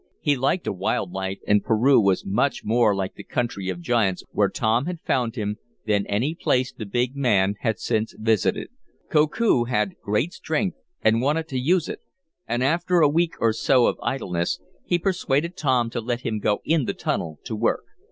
He liked a wild life and Peru was much more like the country of giants where Tom had found him, than any place the big man had since visited. Koku had great strength and wanted to use it, and after a week or so of idleness he persuaded Tom to let him go in the tunnel to work.